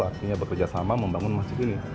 artinya bekerja sama membangun masjid ini